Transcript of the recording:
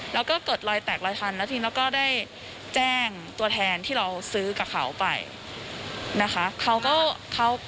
แล้วก็เกิดรอยแตกรอยทันแล้วทีนี้ก็ได้แจ้งตัวแทนที่เราซื้อกับเขาไปนะคะ